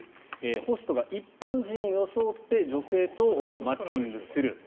ホストが一般人を装って女性とマッチングする。